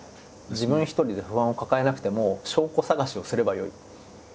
自分一人で不安を抱えなくても証拠探しをすればよい。